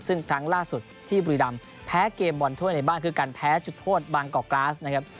ซึ่งครั้งล่าสุดที่บุรีรำแพ้เกมบอลถ้วยในบ้านคือการแพ้จุดโทษบางกอกกราสนะครับ